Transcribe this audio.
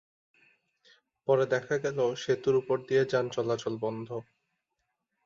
পরে দেখা গেল সেতুর ওপর দিয়ে যান চলাচল বন্ধ।